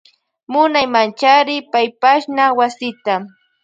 Munaymanchari paypashna wasita.